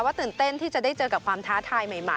ตื่นเต้นที่จะได้เจอกับความท้าทายใหม่